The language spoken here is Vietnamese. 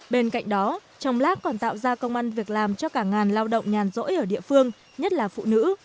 bên cạnh đó trong lác còn tạo ra công an việc làm cho cả ngàn lao động nhàn rỗi ở địa phương nhất là phụ nữ